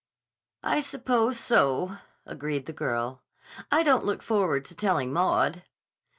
"I suppose so," agreed the girl. "I don't look forward to telling Maud."